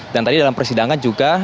dan tadi dalam persidangan juga